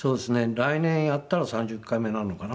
来年やったら３０回目になるのかな。